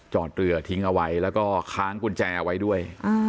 จอดเรือทิ้งเอาไว้แล้วก็ค้างกุญแจเอาไว้ด้วย